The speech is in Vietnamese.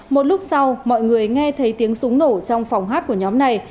một lúc sau mọi người nghe thấy tiếng súng nổ trong phòng hát của nhóm này